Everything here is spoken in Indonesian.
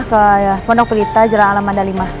ke ponok pelita jalan alam anda lima